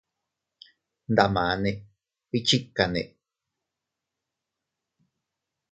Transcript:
Ndamane, ¿iychikanne?